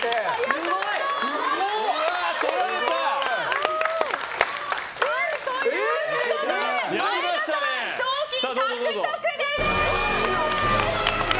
すごい！ということで、マエダさん賞金獲得です！